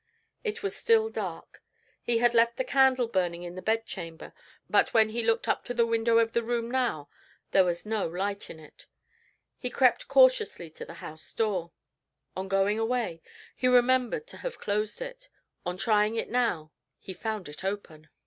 It was still dark. He had left the candle burning in the bedchamber; but when he looked up to the window of the room now there was no light in it. He crept cautiously to the house door. On going away, he remembered to have closed it; on trying it now, he found it open.